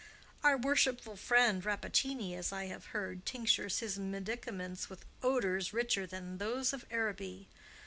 Our worshipful friend Rappaccini, as I have heard, tinctures his medicaments with odors richer than those of Araby.